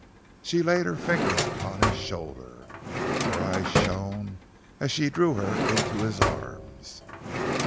She laid her fingers upon his shoulders. Her eyes shone as he drew her into his arms.